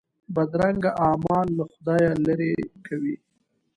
بدرنګه اعمال له خدایه لیرې کوي